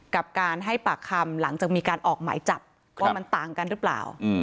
กับการให้ปากคำหลังจากมีการออกหมายจับว่ามันต่างกันหรือเปล่า